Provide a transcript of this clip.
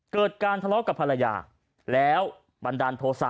เกิดการทะเลาะกับภรรยาแล้วบันดาลโทษะ